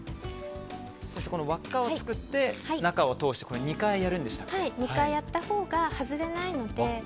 輪っかを作って、中を通すのは２回やったほうが外れないので。